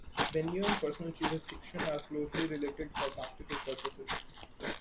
Venue and personal jurisdiction are closely related for practical purposes.